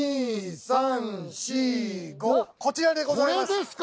こちらでございます